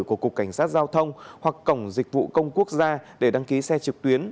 của cục cảnh sát giao thông hoặc cổng dịch vụ công quốc gia để đăng ký xe trực tuyến